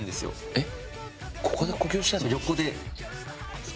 えっ！